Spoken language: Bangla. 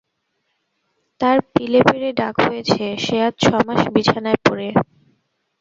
তার পিলে বেড়ে ঢাক হয়েছে, সে আজ ছ মাস বিছানায় পড়ে।